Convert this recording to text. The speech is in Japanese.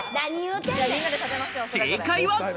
正解は。